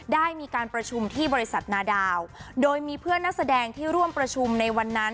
ได้มีการประชุมที่บริษัทนาดาวโดยมีเพื่อนนักแสดงที่ร่วมประชุมในวันนั้น